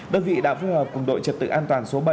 đơn vị đã phối hợp cùng đội trật tự an toàn số bảy